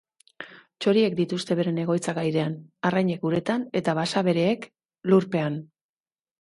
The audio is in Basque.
Txoriek dituzte beren egoitzak airean, arrainek uretan eta basabereek lurpean.